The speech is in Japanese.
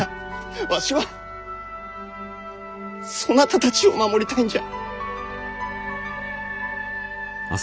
わしはそなたたちを守りたいんじゃ。